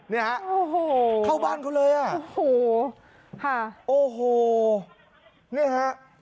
นี่ฮะเข้าบ้านเขาเลยอ่ะโอ้โหนี่ฮะ